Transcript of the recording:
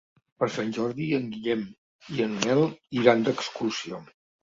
Per Sant Jordi en Guillem i en Nel iran d'excursió.